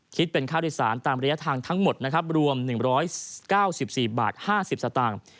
คิดเป็นค่าโดยสารตามระยะทางทั้งหมดนะครับรวม๑๙๔บาท๕๐สตางค์